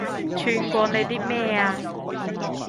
串過你啲咩啊